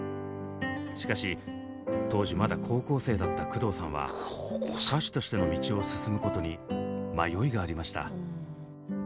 しかし当時まだ高校生だった工藤さんは歌手としての道を進むことに迷いがありました。